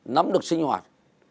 nắm được sinh hoạt